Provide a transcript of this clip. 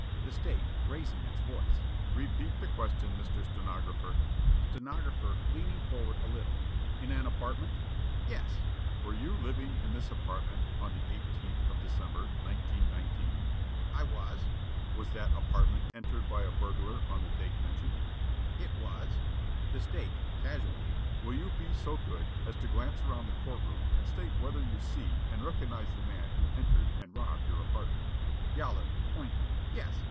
The State, raising its voice: "Repeat the question, Mr. Stenographer." Stenographer, leaning forward a little: "'In an apartment?'" Yollop: "Yes." The State: "Were you living in this apartment on the 18th of December, 1919?" Yollop: "I was." The State: "Was that apartment entered by a burglar on the date mentioned?" Yollop: "It was." The State, casually: "Will you be so good as to glance around the court room and state whether you see and recognize the man who entered and robbed your apartment?" Yollop, pointing: "Yes.